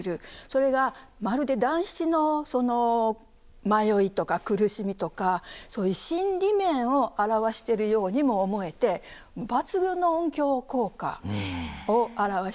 それがまるで団七のその迷いとか苦しみとかそういう心理面を表してるようにも思えて抜群の音響効果を表しますし。